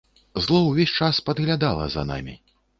Зло ўвесь час падглядала за намі.